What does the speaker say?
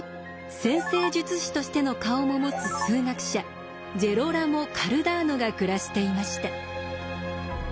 占星術師としての顔も持つ数学者ジェロラモ・カルダーノが暮らしていました。